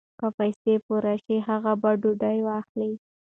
که پیسې پوره شي هغه به ډوډۍ واخلي.